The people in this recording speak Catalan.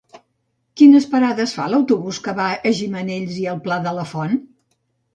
Quines parades fa l'autobús que va a Gimenells i el Pla de la Font?